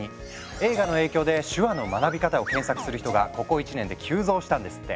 映画の影響で手話の学び方を検索する人がここ１年で急増したんですって。